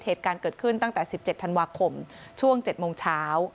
เหตุการณ์เกิดขึ้นตั้งแต่๑๗ธันวาคมช่วง๗โมงเช้า